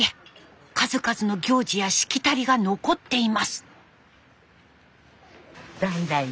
数々の行事やしきたりが残っています。